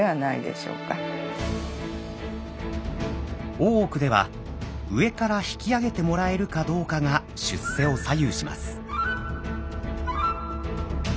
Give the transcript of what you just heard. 大奥では上から引き上げてもらえるかどうかが出世を左右します。